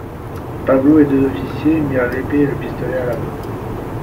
Pablo et deux officiers mirent l’épée et le pistolet à la main.